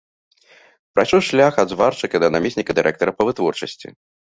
Прайшоў шлях ад зваршчыка да намесніка дырэктара па вытворчасці.